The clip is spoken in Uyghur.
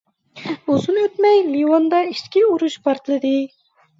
ئۇزۇن ئۆتمەي لىۋاندا ئىچكى ئۇرۇش پارتلىدى.